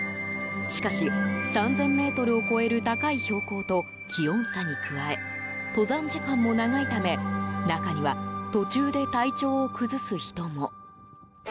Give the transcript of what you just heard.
しかし３０００ｍを超える高い標高と気温差に加え登山時間も長いため中には途中で体調を崩す人も。